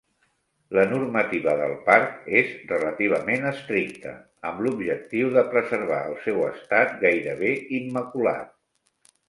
La normativa del parc és relativament estricta, amb l'objectiu de preservar el seu estat gairebé immaculat.